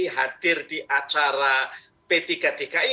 hadir di acara p tiga dki